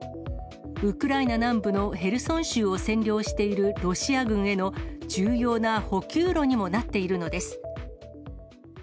ウクライナ南部のヘルソン州を占領しているロシア軍への重要な補給路にもなっているのです。